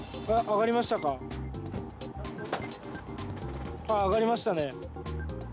上がりましたね。